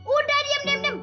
udah diam diam diam